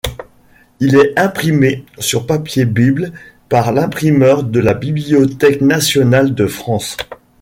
Il est imprimé sur papier bible par l'imprimeur de la Bibliothèque nationale de France.